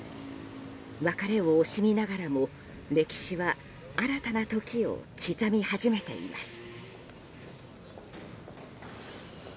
別れを惜しみながらも、歴史は新たな時を刻み始めています。